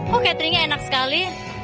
oke teringat enak sekali